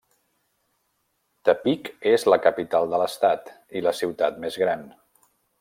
Tepic és la capital de l'estat, i la ciutat més gran.